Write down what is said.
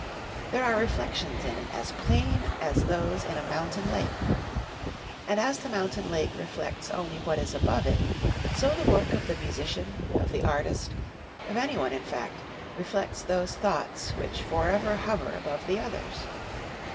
There are reflections in it as plain as those in a mountain lake. And as the mountain lake reflects only what is above it, so the work of the musician, of the artist, of any one in fact, reflects those thoughts which forever hover above the others.